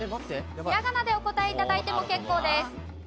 ひらがなでお答え頂いても結構です。